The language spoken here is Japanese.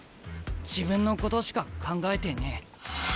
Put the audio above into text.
自分のことしか考えてねえ。